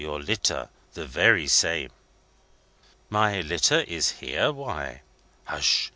Your litter. The very same." "My litter is here? Why?" "Hush!